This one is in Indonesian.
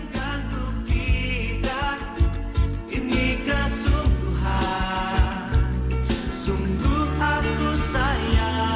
tetap bersama kami